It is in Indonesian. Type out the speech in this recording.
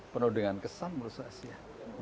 penuh dengan kesan menurut saya